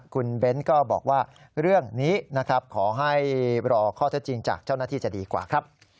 คุณเบ้นก็บอกว่าเรื่องนี้นะครับขอให้รอข้อเท็จจริงจากเจ้าหน้าที่จะดีกว่าครับ